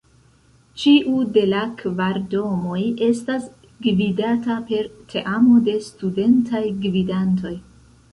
Ĉiu de la kvar domoj estas gvidata per teamo de Studentaj Gvidantoj.